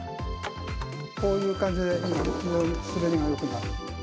こういう感じで、滑りがよくなる。